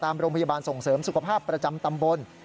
โรงพยาบาลส่งเสริมสุขภาพประจำตำบล